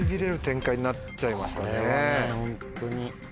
ホントに。